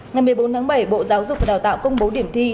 ngày một mươi bốn tháng bảy bộ giáo dục và đào tạo công bố điểm thi